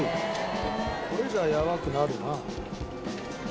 「これじゃあやわくなるな」